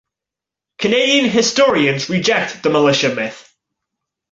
Canadian historians reject the militia myth.